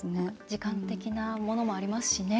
時間的なものもありますしね。